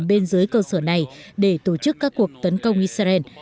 bên dưới cơ sở này để tổ chức các cuộc tấn công israel